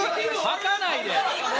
吐かないで！